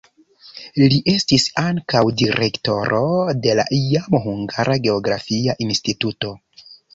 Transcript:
Li estis ankaŭ direktoro de la jam hungara geografia instituto.